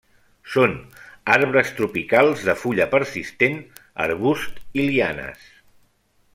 Són arbres tropicals de fulla persistent, arbusts i lianes.